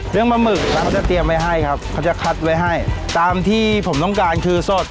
ปลาหมึกครับจะเตรียมไว้ให้ครับเขาจะคัดไว้ให้ตามที่ผมต้องการคือสด